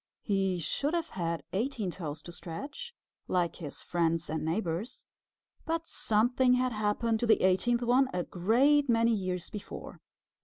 He should have had eighteen toes to stretch, like his friends and neighbors, but something had happened to the eighteenth one a great many years before.